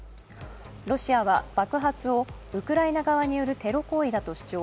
ロシアは爆発をウクライナ側によるテロ行為だと主張。